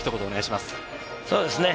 そうですね。